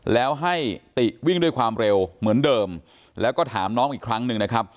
แล้วให้ติวิ่งด้วยความเร็วเหมือนเดิมแล้วก็ถามน้องอีกครั้งหนึ่งนะครับ